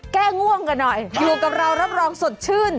แก้ง่วงกันหน่อยอยู่กับเรารับรองสดชื่น